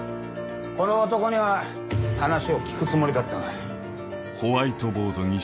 この男には話を聞くつもりだったが。